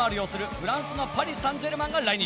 フランスのパリ・サンジェルマンが来日。